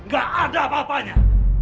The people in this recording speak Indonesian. gak ada apa apanya